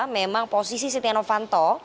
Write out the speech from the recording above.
memang posisi setia novanto